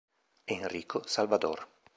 Enrico Salvador